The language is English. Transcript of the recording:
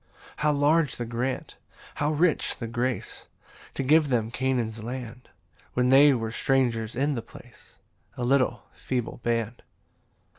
5 [How large the grant! how rich the grace! To give them Canaan's land, When they were strangers in the place, A little feeble band!